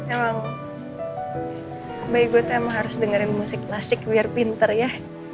emang baik gue emang harus dengerin musik klasik biar pinter ya